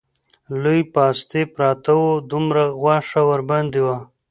لوی پاستي پراته وو، دومره غوښه ورباندې وه